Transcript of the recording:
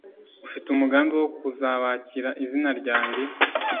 ufite umugambi wo kuzubakira izina ryanjye